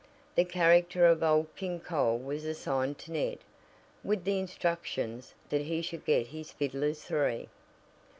The character of "Old King Cole" was assigned to Ned, with the instructions that he should get his "fiddlers three."